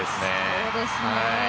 そうですね。